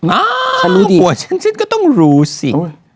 อ้าวหัวฉันชิดก็ต้องรู้สิ